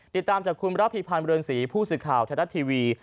ติดตามจากคุณระภิพันธ์เบือนศรีผู้ศึกข่าวแทนทัศน์ทีวี